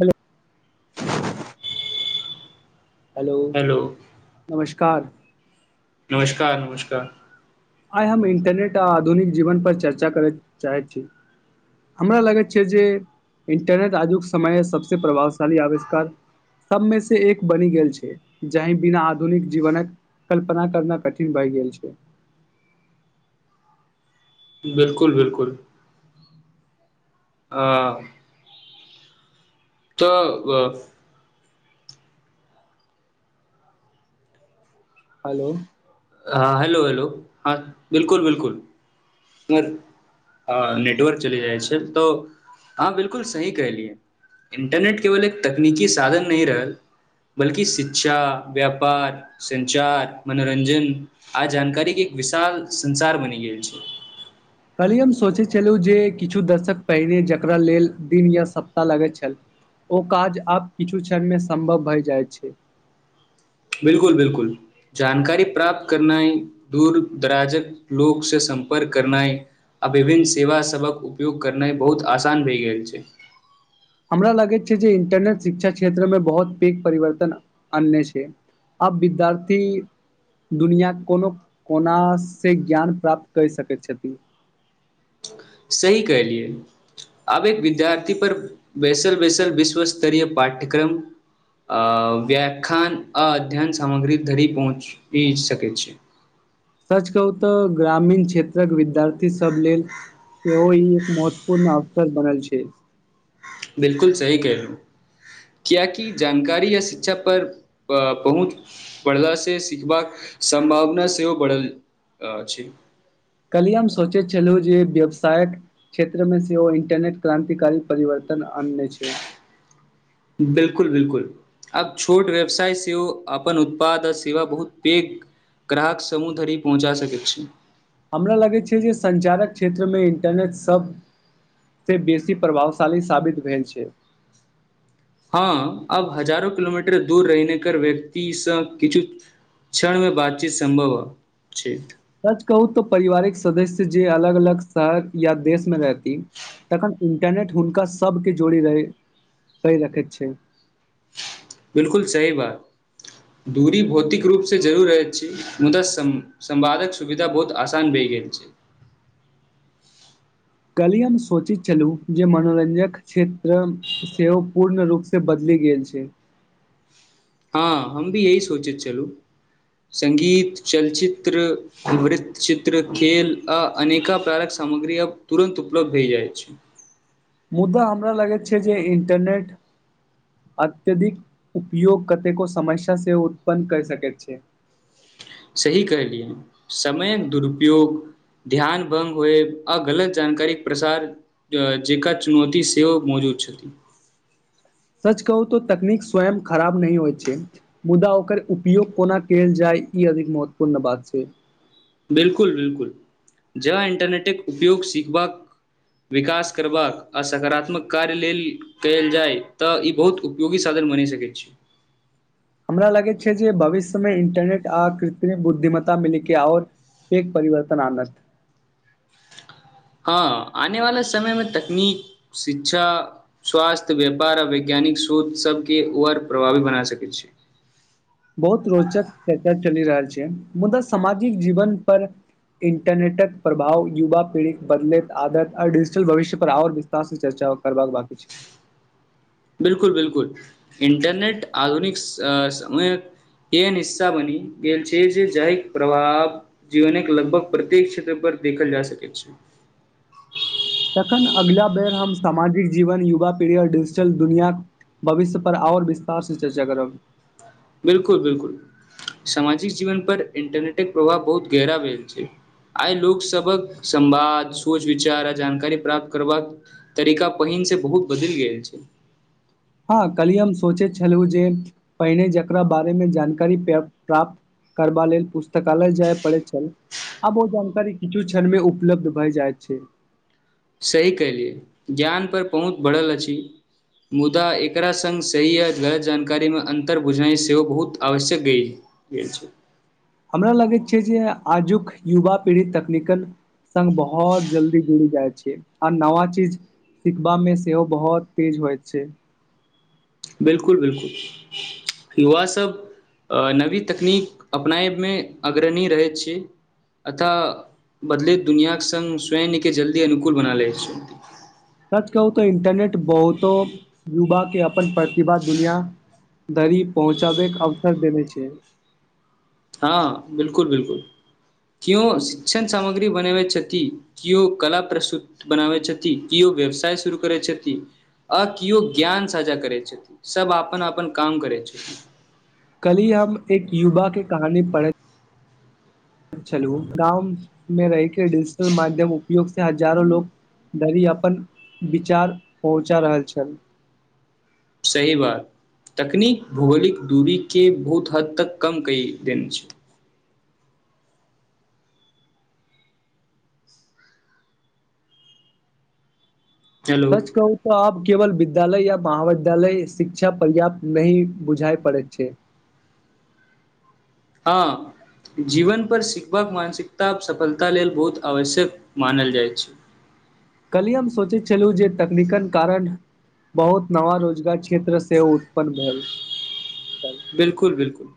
Hello hello hello नमस्कार नमस्कार नमस्कार आइ हम इंटरनेट आ आधुनिक जीवन पर चर्चा करैय चाहै छी हमरा लगैत छै जे इंटरनेट आजुक समय सभसँ प्रभावशाली आविष्कार सबमे से एक बनि गेल छै जहि बिना आधुनिक जीवनक कल्पना करना कठिन भैय गेल छै बिल्कुल बिल्कुल आ तऽ ग हालौ हँ हेलौ हेलौ हँ बिल्कुल बिल्कुल हँ नेटवर्क चलि जाइ छै तऽ हँ बिल्कुल सही कहलियै इंटरनेट केवल एक तकनीकी साधन नहि रहल बल्कि शिक्षा व्यापार संचार मनोरंजन आ जानकारीक एक विशाल संसार बनि गेल छै कल्हि हम सोचै छलु जे किछु दशक पहिरे जकरा लेल दिन या सप्ताह लगैत छल ओ काज आब किछु क्षणमे सम्भव भए जाइत छै बिल्कुल बिल्कुल जानकारी प्राप्त करनाए दूरदराजक लोक से सम्पर्क करनाय आ विभिन्न सेवा सभक उपयोग करनाइ बहुत आसान भए गेल छै हमरा लागैत छै जे इंटरनेट शिक्षा क्षेत्रमे बहुत पैग परिवर्तन आनने छै आब विद्यार्थी दुनिया कोनो कोना से ज्ञान प्राप्त कैर सकैत छथि [inaudible] सही कहलिऐ आब एक विद्यार्थी पर बैसल बैसल विश्व स्तरीय पाठ्यक्रम आ व्याख्यान आ अध्ययन सामग्री धरी पहुँची सकै छै सच कहू तऽ ग्रामीण क्षेत्रक विद्यार्थी सभ लेल सेहो ई महत्वपूर्ण अवसर बनल छै बिल्कुल सही केहलू कियाकी जानकारी या शिक्षा पर पहुँच पर्दा से सिखबाक सम्भावना सेहो बढ़ल अछि कल्हि हम सोचैत छलहुँ जे व्यवसायक क्षेत्रमे सेहो इंटरनेट क्राान्तिकारी परिवर्त न आनने छै बिल्कुल बिल्कुल आब छोट व्यवसाय सेहो अपन उत्पाद आ सेवा बहुत पेघ ग्राहक समूह धरि पहुँचा सकै छी हमरा लगै छै जे संचारक क्षेत्रमे इंटरनेट सभ से बेसी प्रभावशाली साबित भेल छै हँ अब हजारो किलोमीटर दूर रहिने कर व्यक्ति सभ किछु क्षणमे बातचीत सम्भव छै सच कहू त परारिवारिक सदस्य जे अलग अलग शहर या देशमे रहती तखन इन्टरनेट हुनका सभकेँ जोड़ि रहै क रखैत छै बिलकुल सही बात दूरी भौतिक रूपसँ जरूर रहैत छी मुदा सं संवादक सुविधा बहुत आसान भेल [unintelligible] [inaudible] कलिय हम सोचैत छलूं जे मनोरंजक क्षेत्र सेहो पूर्ण रूपसँ बदल गेल छै हँ हम भी यही सोचैत छलहुँ संगीत चलचित्र वृत्तचित्र खेल आ अनेका प्रारक सामग्री आब तुरन्त उपलब्ध होइ जाइ छै [inaudible] मुदा हमरा लगैत छै जे इन्टरनेट अत्यधिक उपयोग कतेको समस्या से उत्पन्न कय सकैत छै [inaudible] सही कहलियै समयक दुरुपयोग ध्यान भंग होए अ गलत जानकारी प्रसार जेकां चुनौती सेहो मौजूद [unintelligible] [inaudible] सच कहू तऽ तकनीक स्वयं खराब नहि होइ छै मुदा ओकर उपयोग कोना कयल जाय ई अधिक महत्वपूर्ण बात छै बिलकुल बिलकुल जं इंटरनेटके उपयोग सीखबाक विकास करबाक आ सकारात्मक कार्य लेल कयल जाय तऽ ई बहुत उपयोगी साबि मनी सकै छी [inaudible] हमरा लगैत छै जे भविष्यमे इंटरनेट आ कृत्रिम बुद्धिमता मिलैके आओर पैघ परिवर्तन आनत हँ आने वाले समयमे तकनीक शिक्षा स्वास्थ्य व्यापार आ विज्ञान तनिक श्रोत सब के आओर प्रभावी बना सकैत छी [inaudible] बहुत रोचक चर्चा चलि रहल मुदा सामाजिक जीवन पर इंटरनेटक प्रभाव युवा पीढ़िक बदलैत आदत आ डिजिटल भविष्य पर आओर विस्तार से चर्चा करबाक बांकी छै बिलकुल बिलकुल इंटरनेट आधुनिक स समय एहेन हिस्सा बनि गेल छै जे जाहि प्रभाव जीवनक लगभग प्रत्येक क्षेत्र पर देखल जा सकैत छै [inaudible] तखन अगिला बेर हम सामाजिक जीवन युवा पीढ़ी आओर डिजिटल दुनियांक भविष्य पर आओर विस्तार से चर्चा करब बिलकुल बिलकुल सामाजिक जीवन पर इंटरनेट प्रभाव बहुत गेहरा भेल छै आइ लोक सबक संवाद सोच विचार आ जानकारी प्राप्त करबाक तरीका पहिल से बहुत बदलि गेल छै [inaudible] हँ कल्हि हम सोचैत छलहुँ जे पहिने जेकरा बारेमे जानकारी प प्राप्त करबा लेल पुस्तकालय जाय परैत छल आब ओ जानकारी किछु क्षणमे उपलब्ध भऽ जाइत छै सही कयलियै ज्ञानपर पहुँच बढ़ल अछि मुदा एकरा संग सही आ गलत जानकारी मे अन्तर बुझनाइ सेहो बहुत आवश्यक गेल छै हमरा लागैत छै जे आजुक युवा पीढ़ी तकनीकल संग बहुत जल्दी जुड़ि जाइत छै आ नवा चीज सिखबामे सेहो बहुत तेज होइत छै बिलकुल बिलकुल युवा सब नवी तकनीक अपनायमे अग्रणी रहैत छी अथवा बदलैत दुनिआके संग स्वयं के जल्दी अनुकूल बना लैत छी सच कहू तऽ इन्टरनेट बहुतो युवा के अपन प्रतिभाक दुनिया धरि पहुँचा बैके अवसर देने छै हँ बिलकुल बिलकुल कियो शिक्षण सामग्री बनेवति छथि कियो कला प्रस्तुति बनाबे छथि कियो व्यवसाय शुरू करैत छथि अ किओ ज्ञान साझा करै छथिन सब अपन अपन काम करै छथिन कल्हि हम एक युवा के कहानी पढ़ै छलू गाँवमे रहिके डिजिटल माध्यम उपयोग से हजारो लोक धरी अपन विचार पहुँचा रहल छल सही बात तकनीक भौगोलिक दूरी के बहुत हद तक कम कऽ देने छै हेलो सच कहू तऽ आब केवल विद्यालय या महाविद्यालय शिक्षा पर्याप्त नहि बुझाय पड़ैत छै हँ जीवन पर सिखबाक मानसिकता आ सफलता लेल बहुत आवश्यक मानल जाइत छै काल्हि हम सोचैत छलहुँ जे तकनीकन कारण बहुत नवा रोजगार क्षेत्र क्षेत्र से उत्पन्न भेल छल बिलकुल बिलकुल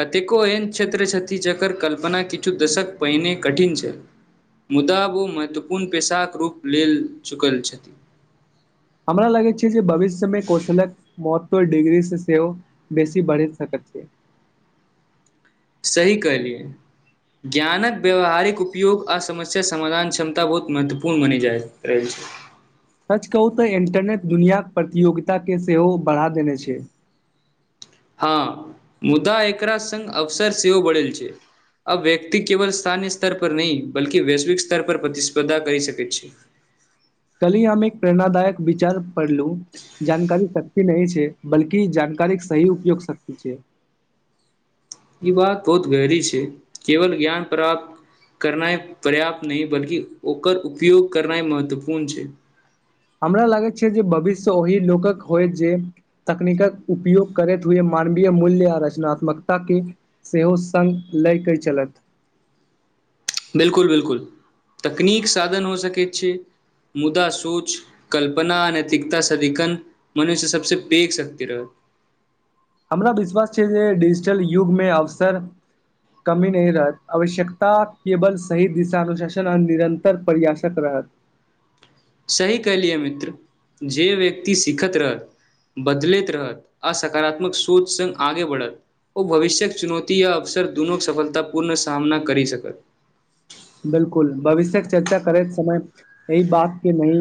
कतेको एहन क्षेत्र छथि जकर कल्पना किछु दशक पहिने कठिन छल मुदा ओ महत्वपूर्ण पेशाक रूप लेल चुकल छथि हमरा लगैत छै जे भविष्य मे कौशलक महत्त्व डिग्री से सेहो बेसी बढ़ि सकैत छै सही कहलियै ज्ञानक व्यावहारिक उपयोग आ समस्या समाधान क्षमता बहुत महत्वपूर्ण मनीजा रहल छै [inaudible] सच कहू तऽ इंटरनेट दुनियाक प्रतियोगिता के सेहो बढ़ा देने छै हँ मुद्दा एकरा संग अवसर सेहो बढ़ल छै आब व्यक्ति केवल स्थानीय स्तर पर नहि बल्कि वैश्विक स्तर पर प्रतिस्पर्धा कय सकै छै [inaudible] कल्हि हम एक प्रेरणादायक विचार पढ़लू जानकारी शक्ति नहि छै बल्कि जानकार जानकारी सही उपयोग शक्ति छै ई बात बहुत गहरी छै केवल ज्ञान प्राप्त करनाइ पर्याप्त नहि बल्कि ओकर उपयोग करनाइ महत्वपूर्ण छै हमरा लागैत छै जे भविष्य ओहि लोकक होय जे तकनीकक उपयोग करैत हुए मानवीय मूल्य आ रचनात्मकता के सेहो संग लय के चलत [inaudible] बिलकुल बिलकुल तकनीक साधन हो सकैत छै मुदा सोच कल्पना नैतिकता सदिखन मनुष्य सबसे पेघ शक्ति रहत हमरा विश्वास छै जे डिजिटल युगमे अवसर कमी नहि रहत आवश्यकता केवल सही दिशानुशासन आ निरन्तर प्रयासक रहत [inaudible] सही कहलियै मित्र जे व्यक्ति सिखैत रहै बदलैत रहत अआसकारात्मक सोच संग आगे बढ़त ओ भविष्यक चुनौती या अवसर दुनू सफलता पूर्ण सामना करि सकत बिलकुल भविष्यक चर्चा करैत समय अय बात के नहि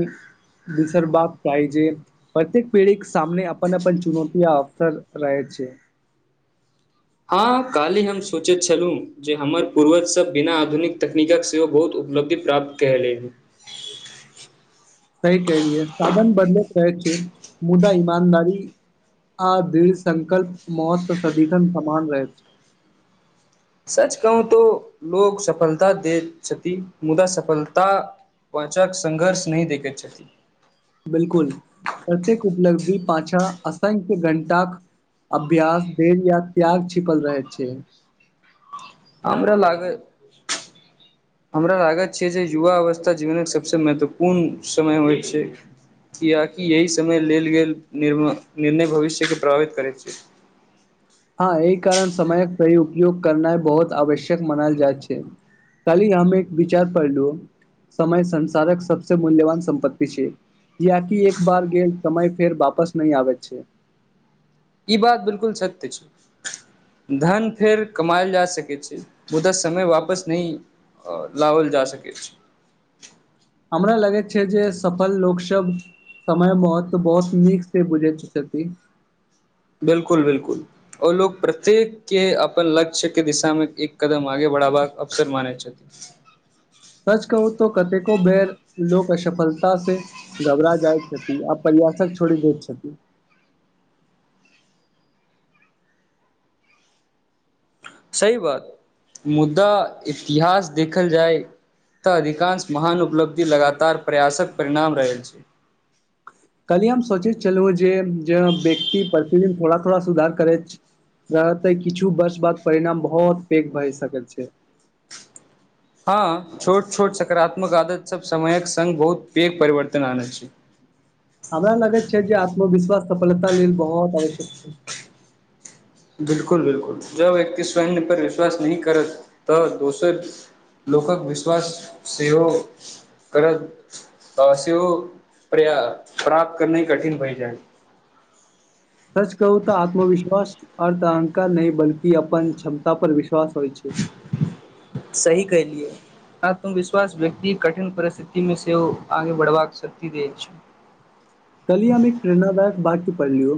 विसर बाप कहि जे प्रत्येक पीढ़ीक सामने अपन अपन चुनौती अवसर रहै छै हँ काल्हि हम सोचैत छलहुँ जे हमर पूर्वजसभ बिना आधुनिक तकनीकक सेहो बहुत उपलब्धि प्राप्त कय लेब [inaudible] सही कलियै साधन बदलैत रहै छै मुदा ईमानदारी आ दृढ़ संकल्प मौत सदिखन समान रहै छै सच कहू तो लोग सफलता दे छथि मुदा सफलता पाछाक संघर्ष नै देखे छथि बिलकुल प्रत्येक उपलब्धि पाछा असंख्य घण्टा अभ्यास देर या त्याग छिपल रह छै हमरा लागै हमरा लागत छै जे युवा अवस्था जीवनक सभसँ महत्वपूर्ण समय होइ छै कियाकी यही समय लेल गेल निर्णय भविष्यके प्रभावित करैत छै [unintelligible] हँ अहीं कारण समयक सही उपयोग करनाय बहुत आवश्यक मनायल जाइत छै काल्हि हम एक विचार पढ़लूं समय संसारक सबसं मूल्यवान सम्पत्ति छै कियाकी एक बार गेल समय फेर वापस नहि आबै छै ई बात बिलकुल सत्य छै धन फेर कमाायल जा सकै छै मुदा समय वापस नहि अ लावल जा सक छै हमरा लगै छै जे सफल लोकसब समय महत्व बहुत नीक से बुझैय छथि बिलकुल बिलकुल ओ लोक प्रत्येक के अपन लक्ष्य के दिशामे एक कदम आगे बड़ा ब अफ्सर मान छथि [inaudible] सच कहू तो कतेको बेर लोक असफलता से घबरा जाइत छथिन आब प्रयास कथक छोड़ि दै छथि सही बात मुदा इतिहास देखल जाय तऽ अधिकांश महान उपलब्धि लगातार प्रयासक परिणाम रहल छै काल्हि सोचैत छलौहु जे व्यक्ति प्रतिदिन थोड़ा थोड़ा सुधार करैत रहते किछु वर्ष बाद परिणाम बहुत पैघ भए सकैत छै हँ छोट छोट सकारात्मक आदत सब समयक संगङ्ग बहुत पेघ परिवर्तन आन छै हमरा लगैत छै जे आत्मविश्वास सफलता लेल बहुत आवश्यक छै बिलकुल बिलकुल जब व्यक्त स्वय पर विश्वास नहि करत तऽ दोसर लोकक विश्वास सेहो करत सेहो प्र्या प्राप्त करना ह कठिन भइ जाए [unintelligible] सच कहू तऽ आत्मविश्वास अर्थ अहंकार नहि बल्कि अपन क्षमता पर विश्वास होइ छै [unintelligible] सही कहलियए आत्मविश्वास व्यक्ति कठिन परिस्थिति मे सेहो आगे बढ़बाक शक्ति द छै [unintelligible] कली हम एक प्रेरणादायक वाक्य पढ़लियौ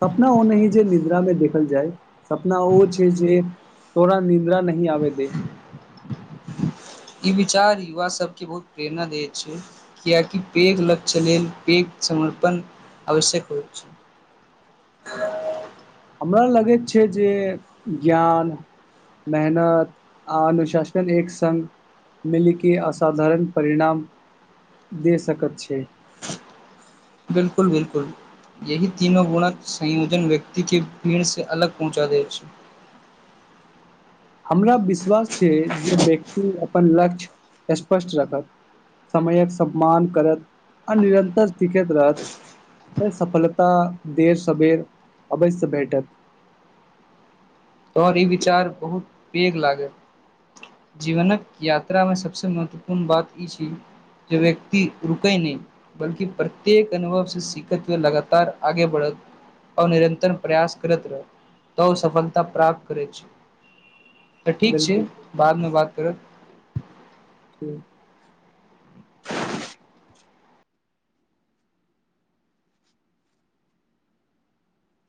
सपना ओ नहि जे निद्रा मे देखल जाय सपना ओ छै जे तोरा निद्रा नहि आबे दे ई विचार युवा सभके बहुत प्रेरणा दैत छै कियाकि पेघ लक्ष्य लेल पेघ समर्पण आवश्यक होइछ। हमरा लगैत छैय जे ज्ञान मेहनत आ अनुशासन एक संग मिलके असाधारण परिणाम दे सकत छैय। बिलकुल-बिलकुल। यही तीनो गुणक संयोजन व्यक्ति के भीड़ से अलग पहुँचा दैए अइछ। [inaudible] हमरा विश्वास छैय जे व्यक्ति अपन लक्ष्य स्पष्ट रखत, समयक सम्मान करत, आ निरन्तर सिखैत रहत, त सफलता देर-सबेर अवश्य भेटत। [inaudible] पर इ विचार बहुत पैघ लागैए, जीबनक यात्रामे सभसँ महत्वपूर्ण बात इ छैय जे व्यक्ति रुकैय नहि बल्कि प्रत्येक अनुभव सँ सिखैत हुए लगातार आगे बढ़ैत आ निरंन्तर प्रयास करैत रहए तब सफलता प्राप्त करैय छै तऽ ठीक छै बिलकुल बादमे बात करब। हुं।